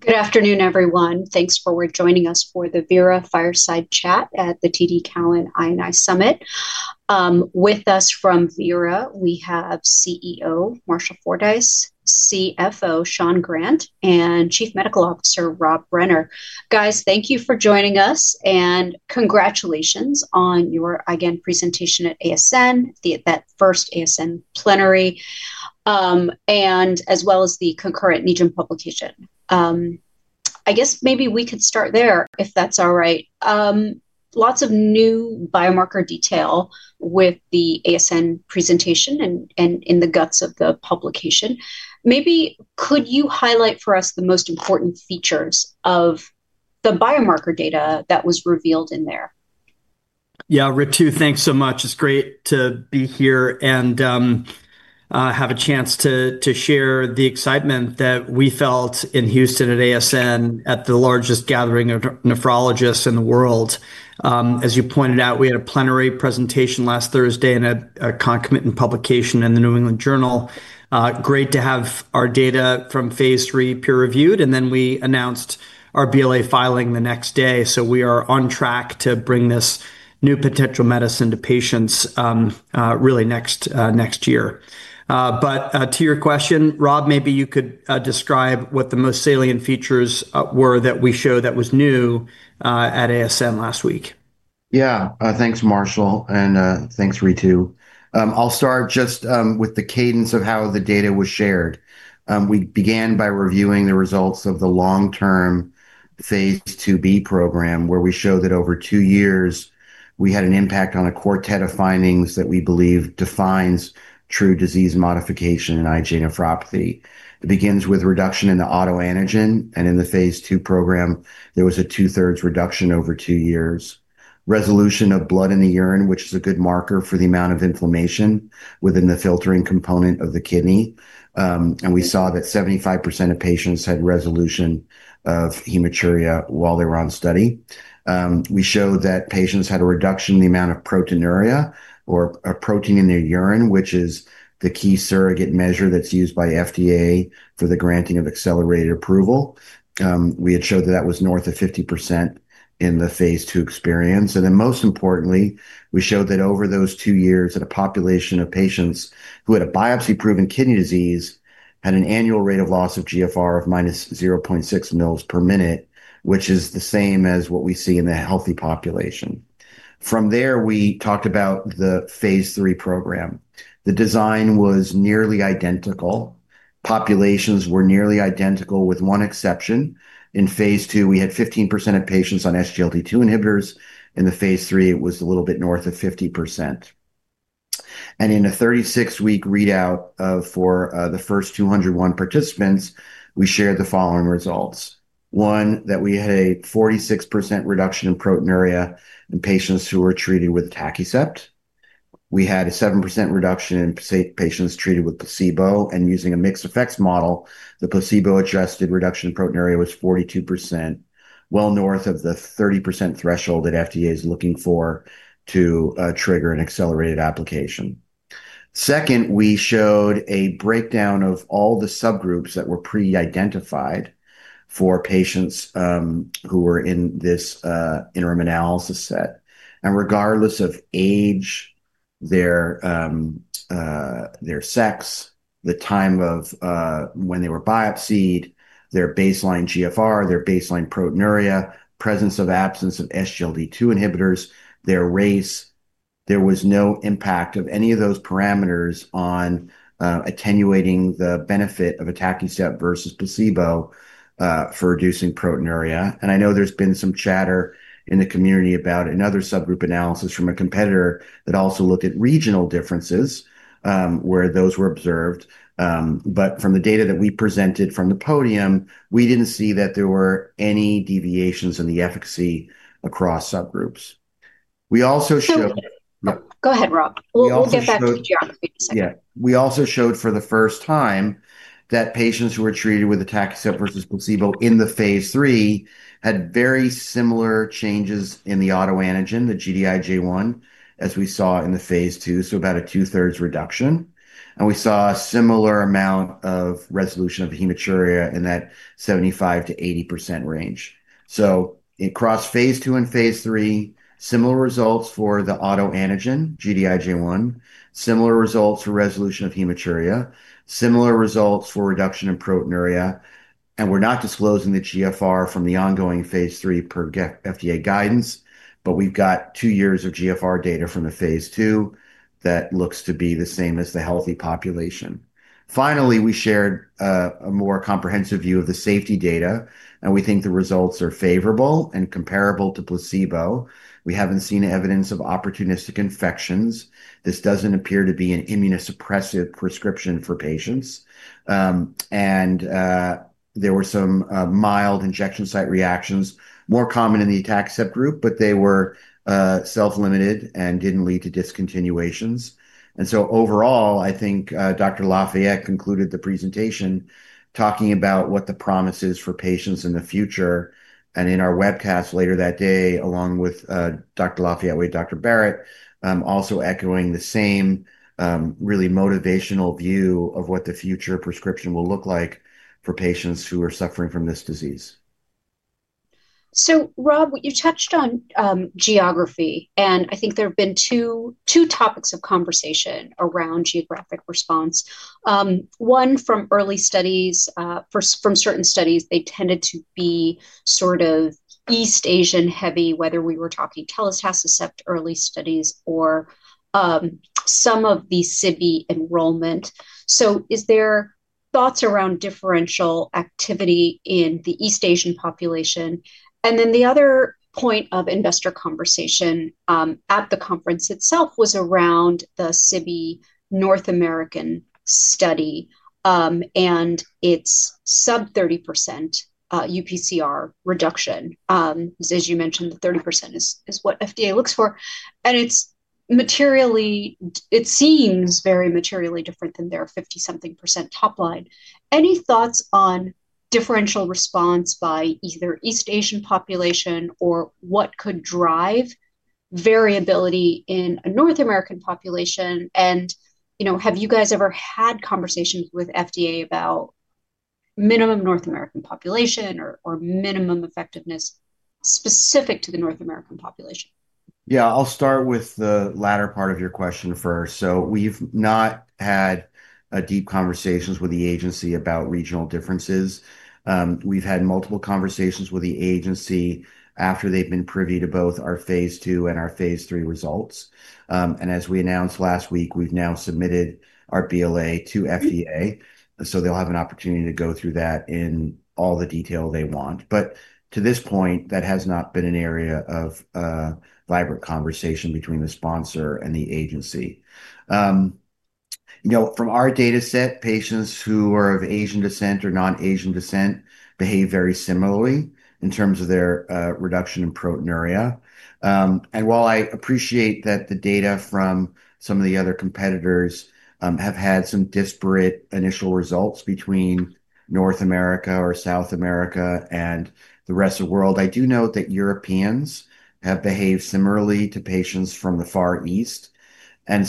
Good afternoon, everyone. Thanks for joining us for the Vera Fireside Chat at the TD Cowen I&I Summit. With us from Vera, we have CEO Marshall Fordyce, CFO Sean Grant, and Chief Medical Officer Rob Brenner. Guys, thank you for joining us, and congratulations on your, again, presentation at ASN, that first ASN plenary, and as well as the concurrent NEJM publication. I guess maybe we could start there, if that's all right. Lots of new biomarker detail with the ASN presentation and in the guts of the publication. Maybe could you highlight for us the most important features of the biomarker data that was revealed in there? Yeah, Ritu, thanks so much. It's great to be here and have a chance to share the excitement that we felt in Houston at ASN at the largest gathering of nephrologists in the world. As you pointed out, we had a plenary presentation last Thursday and a concomitant publication in the New England Journal. Great to have our data from Phase III peer-reviewed, and then we announced our BLA filing the next day. We are on track to bring this new potential medicine to patients really next year. To your question, Rob, maybe you could describe what the most salient features were that we showed that was new at ASN last week. Yeah, thanks, Marshall, and thanks, Ritu. I'll start just with the cadence of how the data was shared. We began by reviewing the results of the long-term Phase IIb program, where we showed that over two years we had an impact on a quartet of findings that we believe defines true disease modification in IgA nephropathy. It begins with reduction in the autoantigen, and in the Phase II program, there was a 2/3 reduction over two years. Resolution of blood in the urine, which is a good marker for the amount of inflammation within the filtering component of the kidney. We saw that 75% of patients had resolution of hematuria while they were on study. We showed that patients had a reduction in the amount of proteinuria, or protein in their urine, which is the key surrogate measure that's used by FDA for the granting of accelerated approval. We had showed that that was north of 50% in the Phase II experience. Most importantly, we showed that over those two years, a population of patients who had a biopsy-proven kidney disease had an annual rate of loss of GFR of minus 0.6 mL per minute, which is the same as what we see in the healthy population. From there, we talked about the Phase III program. The design was nearly identical. Populations were nearly identical with one exception. In Phase II, we had 15% of patients on SGLT2 inhibitors. In the Phase III, it was a little bit north of 50%. In a 36-week readout for the first 201 participants, we shared the following results. One, that we had a 46% reduction in proteinuria in patients who were treated with atacicept. We had a 7% reduction in patients treated with placebo. Using a mixed effects model, the placebo-adjusted reduction in proteinuria was 42%, well north of the 30% threshold that FDA is looking for to trigger an accelerated application. Second, we showed a breakdown of all the subgroups that were pre-identified for patients who were in this interim analysis set. Regardless of age, their sex, the time of when they were biopsied, their baseline GFR, their baseline proteinuria, presence or absence of SGLT2 inhibitors, their race, there was no impact of any of those parameters on attenuating the benefit of atacicept versus placebo for reducing proteinuria. I know there's been some chatter in the community about another subgroup analysis from a competitor that also looked at regional differences where those were observed. From the data that we presented from the podium, we did not see that there were any deviations in the efficacy across subgroups. We also showed. Go ahead, Rob. Yeah. We also showed for the first time that patients who were treated with atacicept versus placebo in the Phase III had very similar changes in the autoantigen, the Gd-IgA1, as we saw in the Phase II, so about a 2/3 reduction. We saw a similar amount of resolution of hematuria in that 75%-80% range. Across Phase II and Phase III, similar results for the autoantigen, Gd-IgA1, similar results for resolution of hematuria, similar results for reduction in proteinuria. We're not disclosing the eGFR from the ongoing Phase III per FDA guidance, but we've got two years of eGFR data from the Phase II that looks to be the same as the healthy population. Finally, we shared a more comprehensive view of the safety data, and we think the results are favorable and comparable to placebo. We haven't seen evidence of opportunistic infections. This doesn't appear to be an immunosuppressive prescription for patients. There were some mild injection site reactions more common in the atacicept group, but they were self-limited and didn't lead to discontinuations. Overall, I think Dr. Lafayette concluded the presentation talking about what the promise is for patients in the future. In our webcast later that day, along with Dr. Lafayette, Dr. Barrett also echoed the same really motivational view of what the future prescription will look like for patients who are suffering from this disease. Rob, you touched on geography, and I think there have been two topics of conversation around geographic response. One, from early studies, from certain studies, they tended to be sort of East Asian heavy, whether we were talking Telitacicept early studies or some of the Sibeprenlimab enrollment. Is there thoughts around differential activity in the East Asian population? The other point of investor conversation at the conference itself was around the Sibeprenlimab North American study and its sub-30% UPCR reduction. As you mentioned, the 30% is what FDA looks for. It seems very materially different than their 50%-something top line. Any thoughts on differential response by either East Asian population or what could drive variability in a North American population? Have you guys ever had conversations with FDA about minimum North American population or minimum effectiveness specific to the North American population? Yeah, I'll start with the latter part of your question first. We've not had deep conversations with the agency about regional differences. We've had multiple conversations with the agency after they've been privy to both our Phase II and our Phase III results. As we announced last week, we've now submitted our BLA to FDA. They'll have an opportunity to go through that in all the detail they want. To this point, that has not been an area of vibrant conversation between the sponsor and the agency. From our data set, patients who are of Asian descent or non-Asian descent behave very similarly in terms of their reduction in proteinuria. While I appreciate that the data from some of the other competitors have had some disparate initial results between North America or South America and the rest of the world, I do note that Europeans have behaved similarly to patients from the Far East. It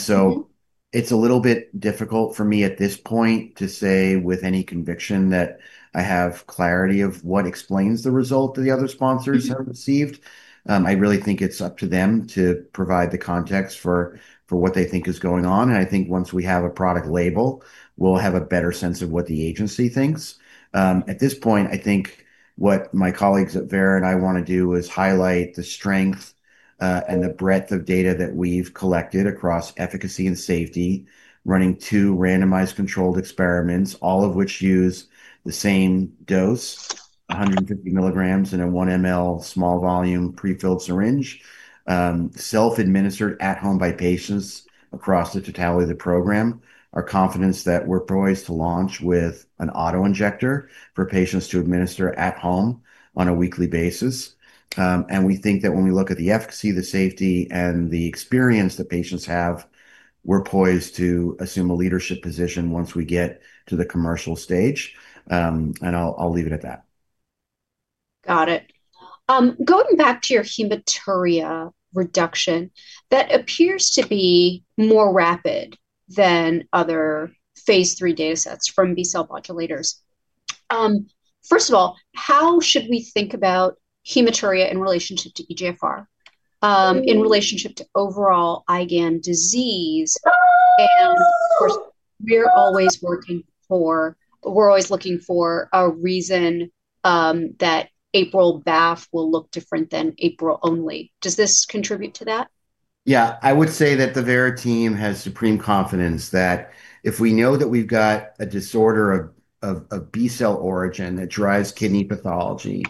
is a little bit difficult for me at this point to say with any conviction that I have clarity of what explains the result that the other sponsors have received. I really think it is up to them to provide the context for what they think is going on. I think once we have a product label, we will have a better sense of what the agency thinks. At this point, I think what my colleagues, Vera and I, want to do is highlight the strength and the breadth of data that we've collected across efficacy and safety running two randomized controlled experiments, all of which use the same dose, 150 mg in a 1 mL small volume prefilled syringe, self-administered at home by patients across the totality of the program. Our confidence that we're poised to launch with an autoinjector for patients to administer at home on a weekly basis. We think that when we look at the efficacy, the safety, and the experience that patients have, we're poised to assume a leadership position once we get to the commercial stage. I'll leave it at that. Got it. Going back to your hematuria reduction, that appears to be more rapid than other Phase III data sets from B-cell modulators. First of all, how should we think about hematuria in relationship to eGFR, in relationship to overall IgAN disease? Of course, we're always looking for a reason that APRIL BAFF will look different than APRIL only. Does this contribute to that? Yeah, I would say that the Vera team has supreme confidence that if we know that we've got a disorder of B-cell origin that drives kidney pathology,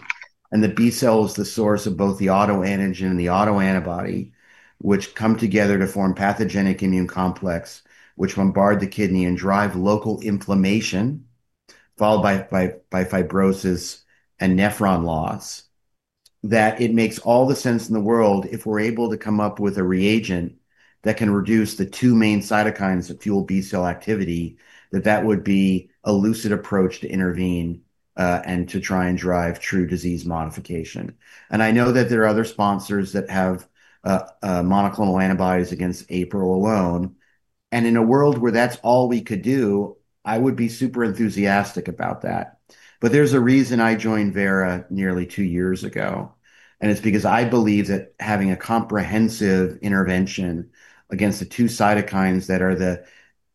and the B-cell is the source of both the autoantigen and the autoantibody, which come together to form pathogenic immune complex, which bombard the kidney and drive local inflammation followed by fibrosis and nephron loss, that it makes all the sense in the world if we're able to come up with a reagent that can reduce the two main cytokines that fuel B-cell activity, that that would be a lucid approach to intervene and to try and drive true disease modification. I know that there are other sponsors that have monoclonal antibodies against APRIL alone. In a world where that's all we could do, I would be super enthusiastic about that. There is a reason I joined Vera nearly two years ago. It is because I believe that having a comprehensive intervention against the two cytokines that are the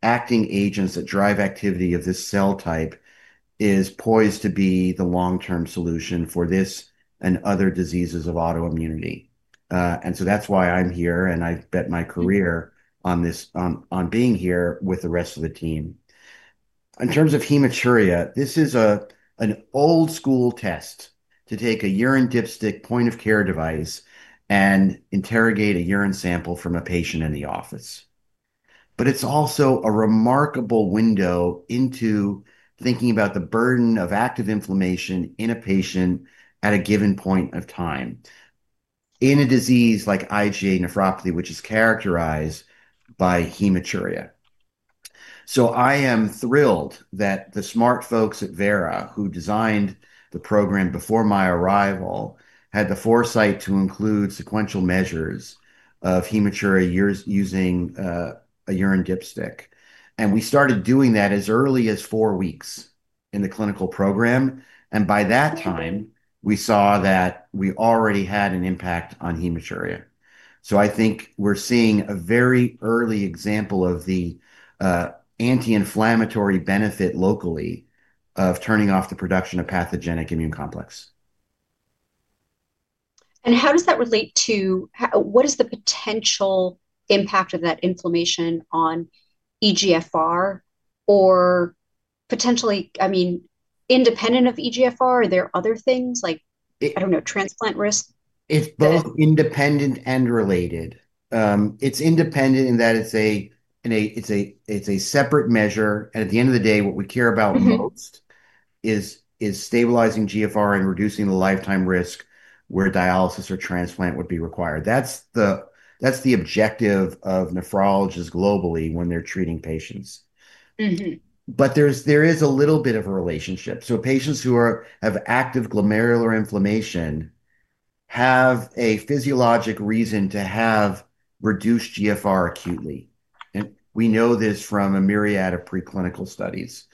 acting agents that drive activity of this cell type is poised to be the long-term solution for this and other diseases of autoimmunity. That is why I am here, and I bet my career on being here with the rest of the team. In terms of hematuria, this is an old-school test to take a urine dipstick point-of-care device and interrogate a urine sample from a patient in the office. It is also a remarkable window into thinking about the burden of active inflammation in a patient at a given point of time in a disease like IgA nephropathy, which is characterized by hematuria. I am thrilled that the smart folks at Vera, who designed the program before my arrival, had the foresight to include sequential measures of hematuria using a urine dipstick. We started doing that as early as four weeks in the clinical program. By that time, we saw that we already had an impact on hematuria. I think we're seeing a very early example of the anti-inflammatory benefit locally of turning off the production of pathogenic immune complex. How does that relate to what is the potential impact of that inflammation on eGFR or potentially, I mean, independent of eGFR? Are there other things like, I don't know, transplant risk? It's both independent and related. It's independent in that it's a separate measure. At the end of the day, what we care about most is stabilizing GFR and reducing the lifetime risk where dialysis or transplant would be required. That's the objective of nephrologists globally when they're treating patients. There is a little bit of a relationship. Patients who have active glomerular inflammation have a physiologic reason to have reduced GFR acutely. We know this from a myriad of preclinical studies.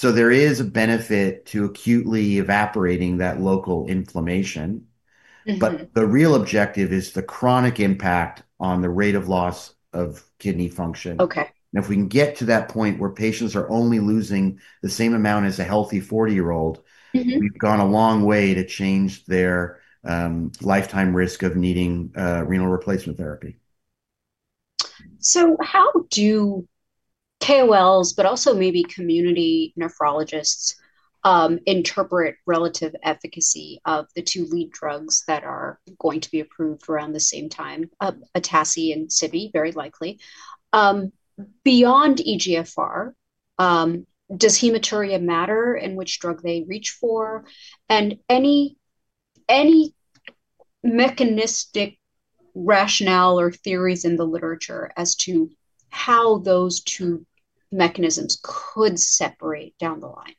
There is a benefit to acutely evaporating that local inflammation. The real objective is the chronic impact on the rate of loss of kidney function. If we can get to that point where patients are only losing the same amount as a healthy 40-year-old, we've gone a long way to change their lifetime risk of needing renal replacement therapy. How do KOLs, but also maybe community nephrologists, interpret relative efficacy of the two lead drugs that are going to be approved around the same time, atacicept and Sibeprenlimab, very likely? Beyond eGFR, does hematuria matter in which drug they reach for? Any mechanistic rationale or theories in the literature as to how those two mechanisms could separate down the line?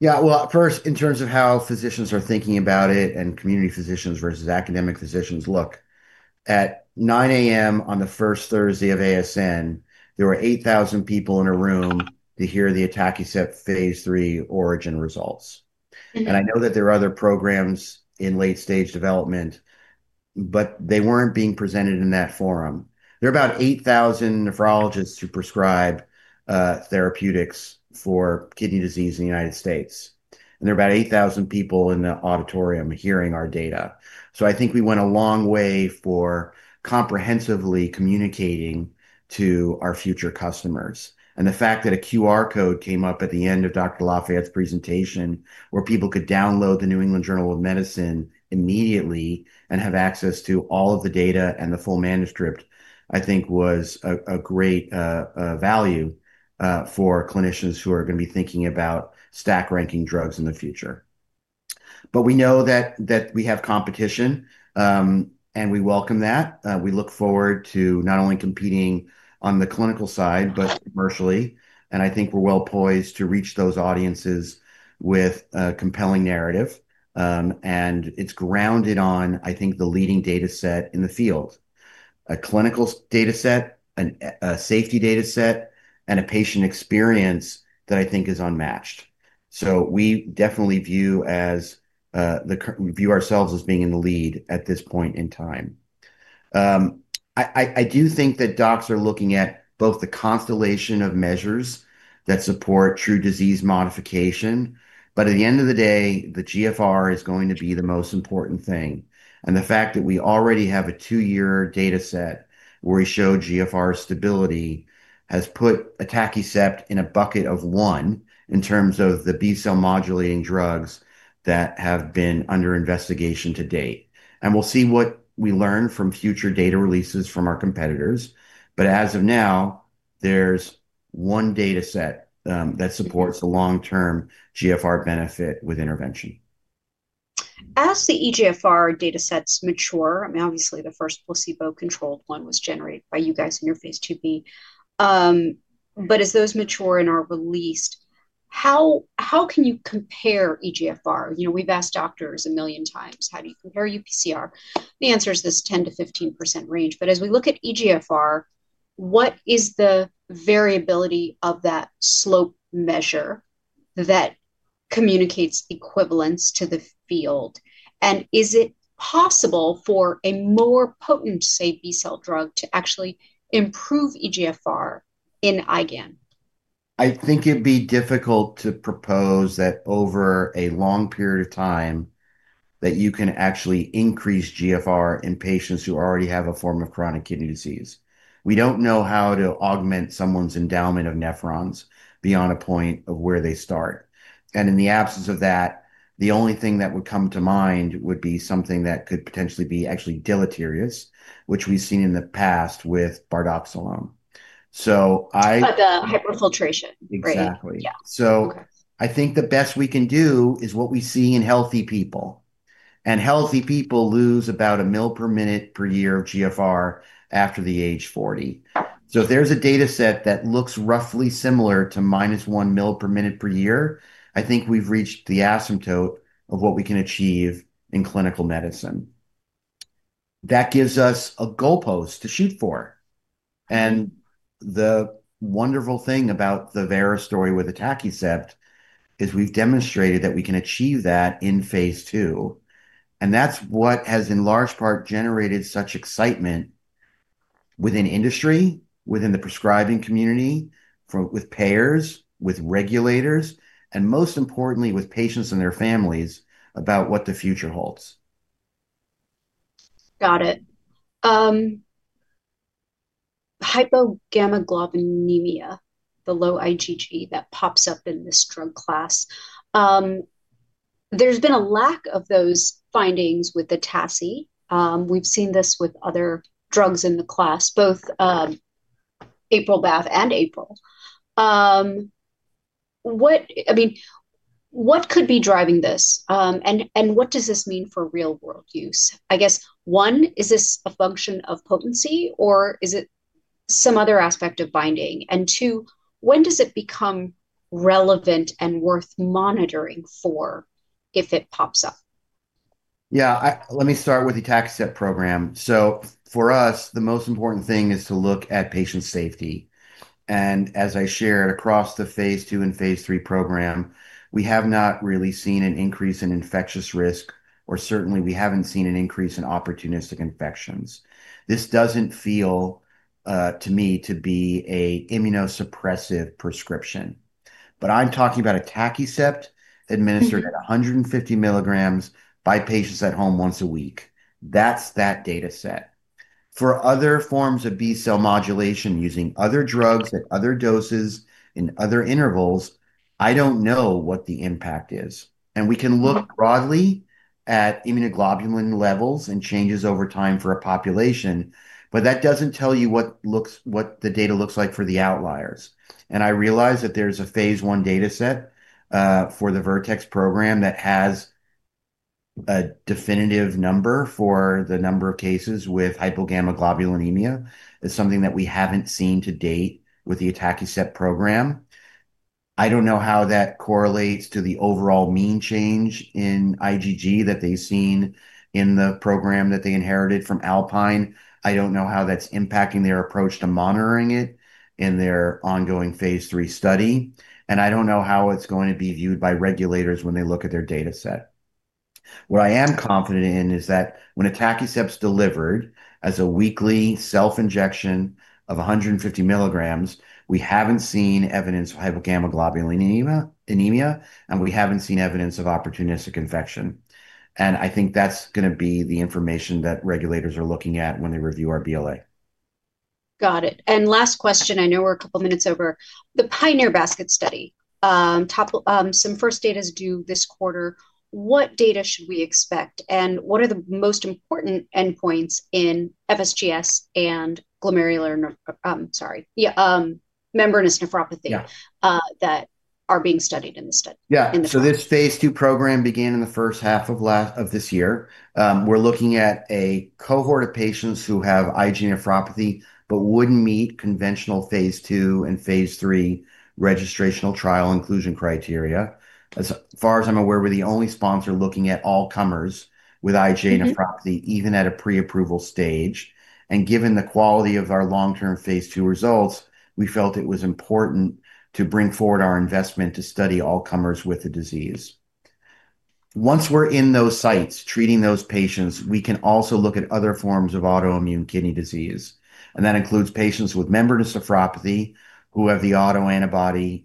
Yeah. First, in terms of how physicians are thinking about it and community physicians versus academic physicians, look, at 9:00 A.M. on the first Thursday of ASN, there were 8,000 people in a room to hear the atacicept Phase III ORIGIN results. I know that there are other programs in late-stage development, but they were not being presented in that forum. There are about 8,000 nephrologists who prescribe therapeutics for kidney disease in the United States. There were about 8,000 people in the auditorium hearing our data. I think we went a long way for comprehensively communicating to our future customers. The fact that a QR code came up at the end of Dr. Lafayette's presentation where people could download the New England Journal of Medicine immediately and have access to all of the data and the full manuscript, I think was a great value for clinicians who are going to be thinking about stack-ranking drugs in the future. We know that we have competition, and we welcome that. We look forward to not only competing on the clinical side, but commercially. I think we're well poised to reach those audiences with a compelling narrative. It's grounded on, I think, the leading data set in the field, a clinical data set, a safety data set, and a patient experience that I think is unmatched. We definitely view ourselves as being in the lead at this point in time. I do think that docs are looking at both the constellation of measures that support true disease modification. At the end of the day, the GFR is going to be the most important thing. The fact that we already have a two-year data set where we show GFR stability has put atacicept in a bucket of one in terms of the B-cell modulating drugs that have been under investigation to date. We'll see what we learn from future data releases from our competitors. As of now, there's one data set that supports a long-term GFR benefit with intervention. As the eGFR data sets mature, I mean, obviously, the first placebo-controlled one was generated by you guys in your Phase IIb. But as those mature and are released, how can you compare eGFR? We've asked doctors a million times, "How do you compare UPCR?" The answer is this 10%-15% range. But as we look at eGFR, what is the variability of that slope measure that communicates equivalence to the field? And is it possible for a more potent, say, B-cell drug to actually improve eGFR in IgAN? I think it'd be difficult to propose that over a long period of time that you can actually increase GFR in patients who already have a form of chronic kidney disease. We don't know how to augment someone's endowment of nephrons beyond a point of where they start. In the absence of that, the only thing that would come to mind would be something that could potentially be actually deleterious, which we've seen in the past with Bardoxolone. So I. The hyperfiltration. Right. Exactly. I think the best we can do is what we see in healthy people. Healthy people lose about 1 mL per minute per year of GFR after the age 40. If there's a data set that looks roughly similar to minus 1 mL per minute per year, I think we've reached the asymptote of what we can achieve in clinical medicine. That gives us a goalpost to shoot for. The wonderful thing about the Vera story with atacicept is we've demonstrated that we can achieve that in Phase II. That's what has, in large part, generated such excitement within industry, within the prescribing community, with payers, with regulators, and most importantly, with patients and their families about what the future holds. Got it. Hypogammaglobulinemia, the low IgG that pops up in this drug class. There's been a lack of those findings with the Taci. We've seen this with other drugs in the class, both APRIL BAFF and APRIL. I mean, what could be driving this? What does this mean for real-world use? I guess, one, is this a function of potency, or is it some other aspect of binding? Two, when does it become relevant and worth monitoring for if it pops up? Yeah. Let me start with the atacicept program. For us, the most important thing is to look at patient safety. As I shared, across the Phase II and Phase III program, we have not really seen an increase in infectious risk, or certainly, we have not seen an increase in opportunistic infections. This does not feel to me to be an immunosuppressive prescription. I am talking about atacicept administered at 150 mg by patients at home once a week. That is that data set. For other forms of B-cell modulation using other drugs at other doses in other intervals, I do not know what the impact is. We can look broadly at immunoglobulin levels and changes over time for a population, but that does not tell you what the data looks like for the outliers. I realize that there's a Phase I data set for the Vertex program that has a definitive number for the number of cases with hypogammaglobulinemia. It's something that we haven't seen to date with the atacicept program. I don't know how that correlates to the overall mean change in IgG that they've seen in the program that they inherited from Alpine. I don't know how that's impacting their approach to monitoring it in their ongoing Phase III study. I don't know how it's going to be viewed by regulators when they look at their data set. What I am confident in is that when atacicept's delivered as a weekly self-injection of 150 mg, we haven't seen evidence of hypogammaglobulinemia, and we haven't seen evidence of opportunistic infection. I think that's going to be the information that regulators are looking at when they review our BLA. Got it. Last question. I know we're a couple of minutes over. The Pioneer Basket study, some first data is due this quarter. What data should we expect? What are the most important endpoints in FSGS and membranous nephropathy that are being studied in the study? Yeah. This Phase II program began in the first half of this year. We're looking at a cohort of patients who have IgA nephropathy but wouldn't meet conventional Phase II and Phase III registrational trial inclusion criteria. As far as I'm aware, we're the only sponsor looking at all comers with IgA nephropathy, even at a pre-approval stage. Given the quality of our long-term Phase II results, we felt it was important to bring forward our investment to study all comers with the disease. Once we're in those sites treating those patients, we can also look at other forms of autoimmune kidney disease. That includes patients with membranous nephropathy who have the autoantibody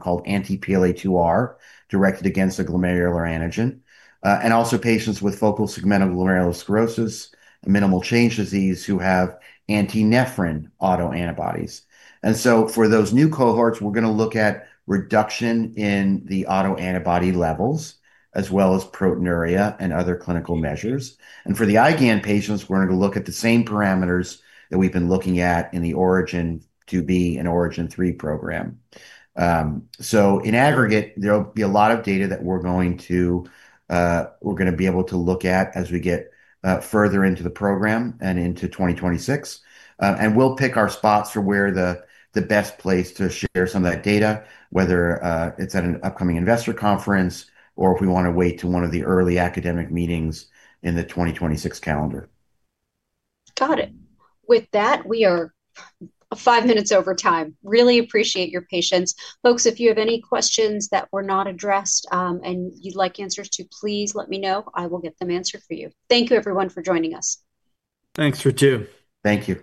called anti-PLA2R directed against the glomerular antigen, and also patients with focal segmental glomerulosclerosis, minimal change disease who have antinephrin autoantibodies. For those new cohorts, we're going to look at reduction in the autoantibody levels as well as proteinuria and other clinical measures. For the IgAN patients, we're going to look at the same parameters that we've been looking at in the ORIGIN 2B and ORIGIN 3 program. In aggregate, there will be a lot of data that we're going to be able to look at as we get further into the program and into 2026. We'll pick our spots for where the best place to share some of that data is, whether it's at an upcoming investor conference or if we want to wait to one of the early academic meetings in the 2026 calendar. Got it. With that, we are five minutes over time. Really appreciate your patience. Folks, if you have any questions that were not addressed and you'd like answers to, please let me know. I will get them answered for you. Thank you, everyone, for joining us. Thanks, Ritu. Thank you.